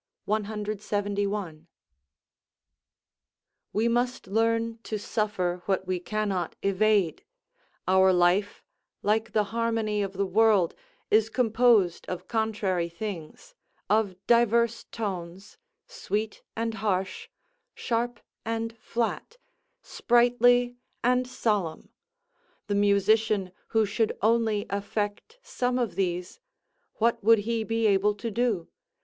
171.] We must learn to suffer what we cannot evade; our life, like the harmony of the world, is composed of contrary things of diverse tones, sweet and harsh, sharp and flat, sprightly and solemn: the musician who should only affect some of these, what would he be able to do?